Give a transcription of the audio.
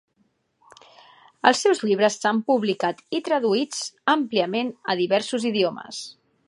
Els seus llibres s'han publicat i traduïts àmpliament a diversos idiomes.